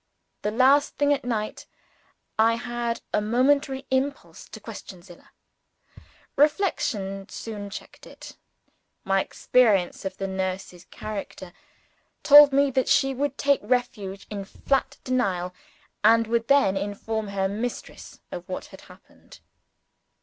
The last thing at night, I had a momentary impulse to question Zillah. Reflection soon checked it. My experience of the nurse's character told me that she would take refuge in flat denial and would then inform her mistress of what had happened.